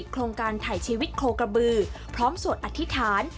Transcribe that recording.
โครงการถ่ายชีวิตโคกระบือพร้อมสวดอธิษฐาน